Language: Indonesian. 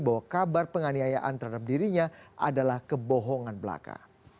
bahwa kabar penganiayaan terhadap dirinya adalah kebohongan belaka